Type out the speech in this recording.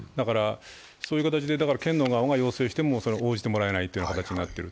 そういう形で県が要請しても応じてもらえない形になっている。